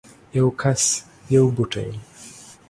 یو کس یو بوټی